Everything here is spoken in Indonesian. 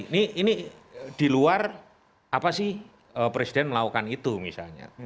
ini di luar apa sih presiden melakukan itu misalnya